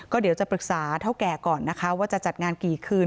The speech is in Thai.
เดี๋ยวจะปรึกษาเท่าแก่ก่อนนะคะว่าจะจัดงานกี่คืน